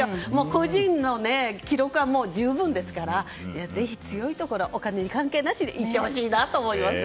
個人の記録は十分ですからぜひ強いところお金に関係なしに行ってほしいなと思います。